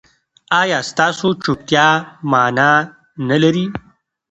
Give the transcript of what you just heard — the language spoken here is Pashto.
ایا ستاسو چوپتیا معنی نلري؟